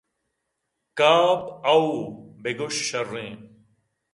کاف ہئو بہ گوٛش شرّیں